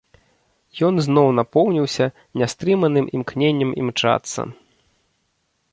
Ён зноў напоўніўся нястрыманым імкненнем імчацца.